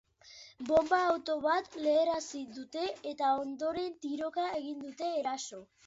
Bonba-auto bat leherrarazi dute, eta, ondoren, tiroka egin dute eraso.